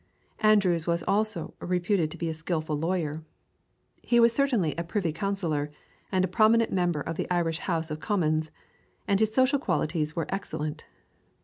Andrews was also reputed to be a skilful lawyer. He was certainly a Privy Councillor and a prominent member of the Irish House of Commons, and his social qualities were excellent.